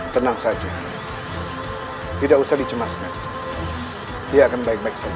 tenang saja tidak usah dicemaskan dia akan baik baik saja